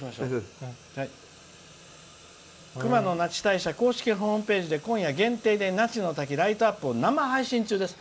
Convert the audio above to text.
熊野那智大社公式ホームページで今夜限定で那智の滝ライトアップを生配信中です。